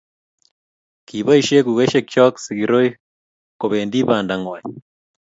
Kiboishei kukaishek chok sigiroik kobendibanda ng'wai